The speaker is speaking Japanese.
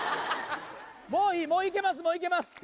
もういいもういけますいけます？